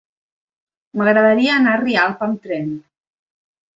M'agradaria anar a Rialp amb tren.